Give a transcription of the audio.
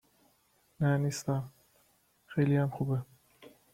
.نه نیستم. خلی هم خوبه